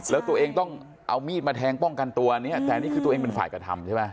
แล้วตัวเองต้องเอามีดมาแทงป้องกันตัวอันนี้แต่นี่คือตัวเองเป็นฝ่ายกระทำใช่ไหม